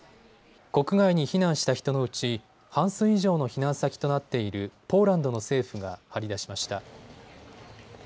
国外に避難した人のうち半数以上の避難先となっているポーランドの政府が貼り出しました。